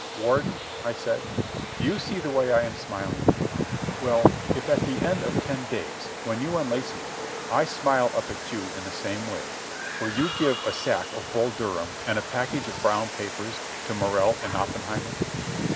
"Warden," I said, "do you see the way I am smiling? Well, if, at the end of the ten days, when you unlace me, I smile up at you in the same way, will you give a sack of Bull Durham and a package of brown papers to Morrell and Oppenheimer?"